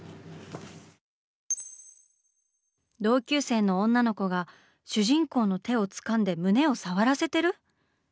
同級生の女の子が主人公の手をつかんで胸を触らせてる⁉